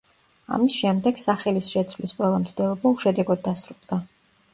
ამის შემდეგ, სახელის შეცვლის ყველა მცდელობა უშედეგოდ დასრულდა.